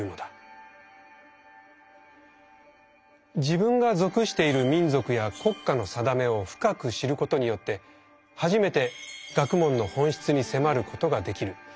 自分が属している「民族」や「国家のさだめ」を深く知ることによって初めて「学問」の本質に迫ることができる。